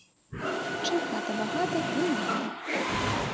Чым хата багата, тым і рада.